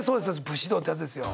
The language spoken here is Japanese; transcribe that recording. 武士道ってやつですよ。